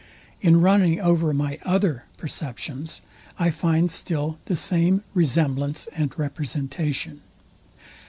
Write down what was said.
In running over my other perceptions, I find still the same resemblance and representation.